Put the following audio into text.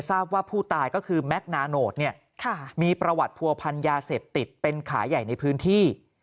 ทราบว่าผู้ตายก็คือแม็กซ์นาโนตมีประวัติผัวพันธ์ยาเสพติดเป็นขาใหญ่ในพื้นที่